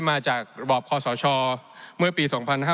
มาจากระบอบคอสชเมื่อปี๒๕๕๙